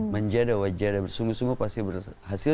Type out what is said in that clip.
manjadah wa jadah bersungguh sungguh pasti berhasil